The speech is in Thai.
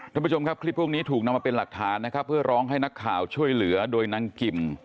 ท่านผู้ชมครับคลิปพวกนี้ถูกนำมาเป็นหลักฐานนะครับเพื่อร้องให้นักข่าวช่วยเหลือโดยนางกิม